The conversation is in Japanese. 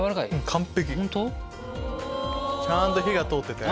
完璧！ちゃんと火が通ってて。